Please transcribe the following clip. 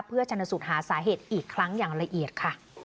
เพื่อชนสูตรหาสาเหตุอีกครั้งอย่างละเอียดค่ะ